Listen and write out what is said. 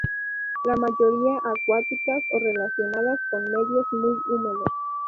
La mayoría acuáticas o relacionadas con medios muy húmedos.